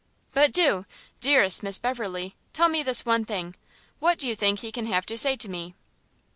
but do, dearest Miss Beverley, tell me this one thing, what do you think he can have to say to me?"